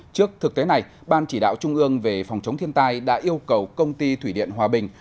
trước thực tế này ban chỉ đạo trung ương về phòng chống thiên tai đã yêu cầu công ty thủy điện hòa bình